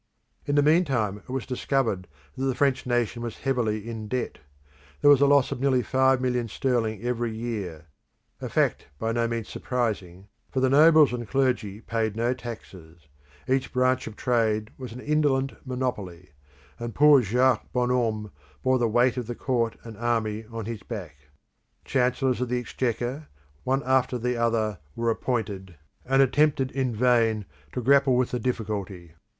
In the meantime it was discovered that the French nation was heavily in debt; there was a loss of nearly five million sterling every year; a fact by no means surprising, for the nobles and clergy paid no taxes; each branch of trade was an indolent monopoly; and poor Jacques Bonhomme bore the weight of the court and army on his back. Chancellors of the Exchequer one after, the other were appointed, and attempted in vain to grapple with the difficulty.